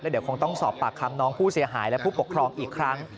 เดี๋ยวคงต้องสอบปากคำน้องผู้เสียหายและผู้ปกครองอีกครั้ง